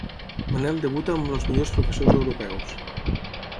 Manel debuta amb Els millors professors europeus.